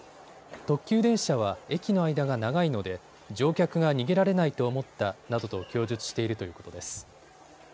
特急電車は駅の間が長いので乗客が逃げられないと思ったなどと供述しているということです。